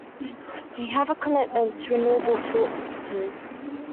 We have a commitment to renewable sources.